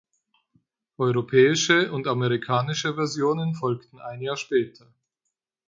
Europäische und amerikanische Versionen folgten ein Jahr später.